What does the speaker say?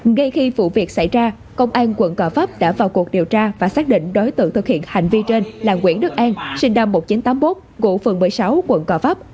ngay khi vụ việc xảy ra công an quận gò vấp đã vào cuộc điều tra và xác định đối tượng thực hiện hành vi trên là nguyễn đức an sinh năm một nghìn chín trăm tám mươi một ngụ phường một mươi sáu quận gò vấp